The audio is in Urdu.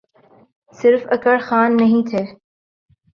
صرف اکڑ خان نہیں تھے۔